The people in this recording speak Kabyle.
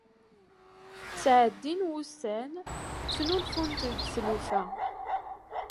Ttɛeddin wussan, ttnulfunt-d tlufa.